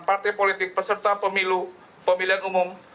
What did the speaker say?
partai politik peserta pemilu pemilihan umum